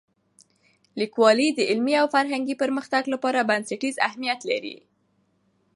لیکوالی د علمي او فرهنګي پرمختګ لپاره بنسټیز اهمیت لري.